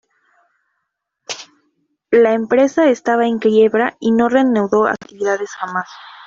La empresa estaba en quiebra y no reanudó actividades jamás.